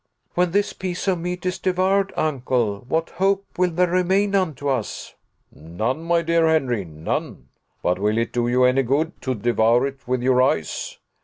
"When this piece of meat is devoured, Uncle, what hope will there remain unto us?" "None, my dear Henry, none. But will it do you any good to devour it with your eyes?